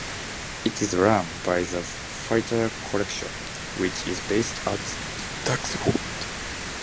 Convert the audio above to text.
It is run by The Fighter Collection, which is based at Duxford.